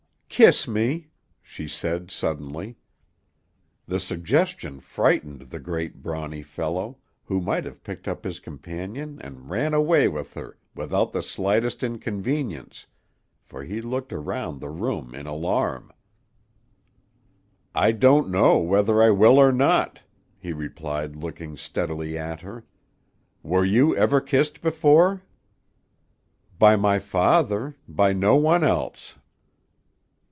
"Kiss me," she said suddenly. The suggestion frightened the great brawny fellow, who might have picked up his companion and ran away with her without the slightest inconvenience; for he looked around the room in alarm. "I don't know whether I will or not," he replied, looking steadily at her. "Were you ever kissed before?" "By my father; by no one else."